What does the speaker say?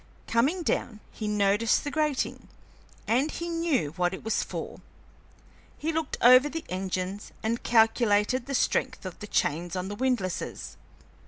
Coming down, he noticed the grating, and he knew what it was for. He looked over the engines and calculated the strength of the chains on the windlasses.